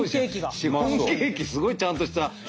シフォンケーキすごいちゃんとした。